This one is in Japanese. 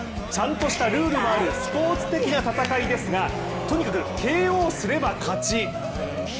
ちゃんとしたルールもあるスポーツ的な戦いですがとにかくＫＯすれば勝ち。